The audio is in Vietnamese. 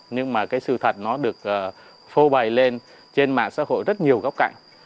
nhưng mà cái sự thật nó được phô bày lên trên mạng xã hội rất nhiều góc cạnh